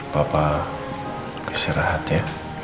papa istirahat ya